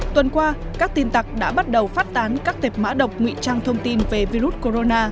tuần qua các tin tặc đã bắt đầu phát tán các tệp mã độc nguy trang thông tin về virus corona